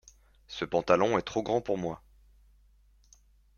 Ce pantalon est trop grand pour moi.